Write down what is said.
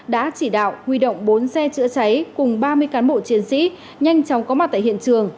đã chỉ đạo huy động bốn xe chữa cháy cùng ba mươi cán bộ chiến sĩ nhanh chóng có mặt tại hiện trường